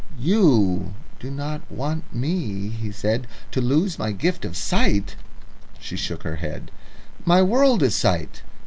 "You do not want me," he said, "to lose my gift of sight?" She shook her head. "My world is sight."